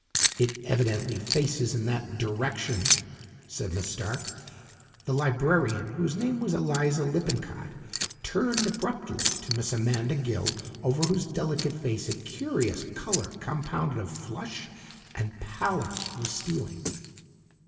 "It evidently faces in that direction," said Miss Stark. The librarian, whose name was Eliza Lippincott, turned abruptly to Miss Amanda Gill, over whose delicate face a curious colour compounded of flush and pallour was stealing.